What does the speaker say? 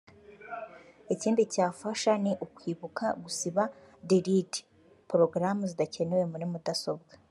Ikindi cyafasha ni ukwibuka gusiba “delete” porogaramu zidakenewe muri mudasobwa